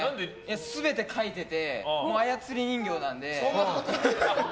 全て書いてて操り人形なので。